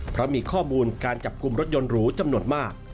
เพราะมีข้อมูลการจับกลุ่มรถยนต์หรูจำนวนมาก